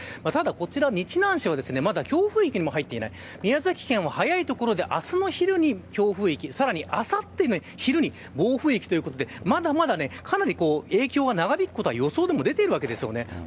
こちら日南市は強風域にも入っていない宮崎県は早いところで明日の昼に強風域、あさっての昼に暴風域ということでまだまだ、かなり影響が長引くことは予想でも出ているんです。